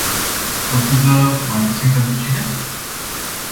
O scuză mai puțin pentru cine?